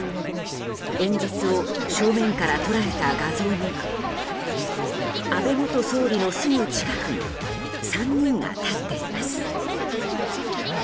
演説を正面から捉えた画像には安倍元総理のすぐ近くに３人が立っています。